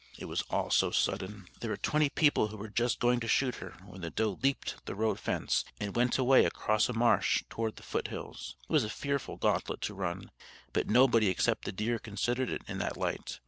It was all so sudden! There were twenty people who were just going to shoot her when the doe leaped the road fence, and went away across a marsh toward the foot hills. It was a fearful gantlet to run. But nobody except the deer considered it in that light.